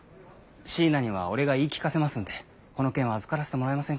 椎名には俺が言い聞かせますんでこの件は預からせてもらえませんか？